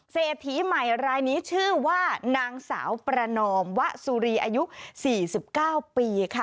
เศรษฐีใหม่รายนี้ชื่อว่านางสาวประนอมวะสุรีอายุ๔๙ปีค่ะ